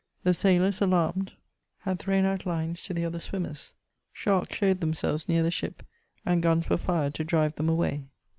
The sailors, alarmed, had thrown out lines to the other swimmers. Sharks showed them selves near the ship, and guns were fired to drive them away.